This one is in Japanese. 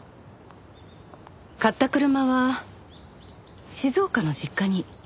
買った車は静岡の実家に。